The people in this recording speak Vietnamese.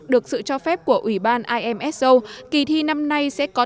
được sự cho phép của ủy ban imso kỳ thi năm nay sẽ có